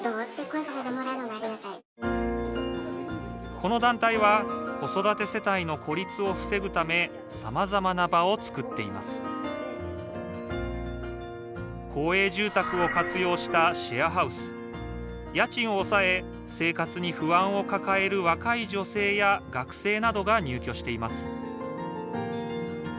この団体は子育て世帯の孤立を防ぐためさまざまな場を作っています公営住宅を活用したシェアハウス家賃を抑え生活に不安を抱える若い女性や学生などが入居しています